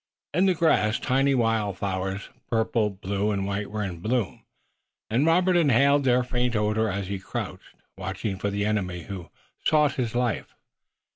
In the grass tiny wild flowers, purple, blue and white were in bloom, and Robert inhaled their faint odor as he crouched, watching for the enemy who sought his life.